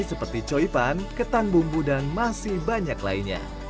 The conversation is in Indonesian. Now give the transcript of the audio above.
seperti coi pan ketan bumbu dan masih banyak lainnya